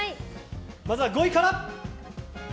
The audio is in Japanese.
まずは５位から。